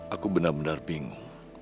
aku benar benar bingung